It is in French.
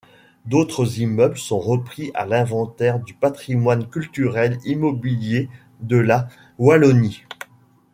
D'autres immeubles sont repris à l'inventaire du patrimoine culturel immobilier de la Wallonie.